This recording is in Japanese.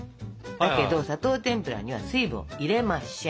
だけど砂糖てんぷらには水分を入れましぇん。